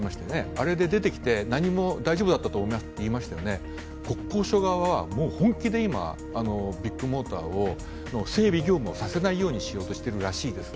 あれで出てきて何も大丈夫だったと思いますって言っていましたよね、国交省側は本気で今、ビッグモーターに整備業務をさせないようにしているらしいです。